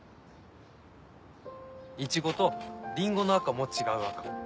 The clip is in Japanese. イチゴとリンゴの赤も違う赤。